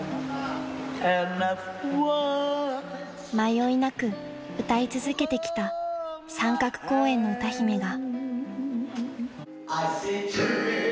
［迷いなく歌い続けてきた三角公園の歌姫が］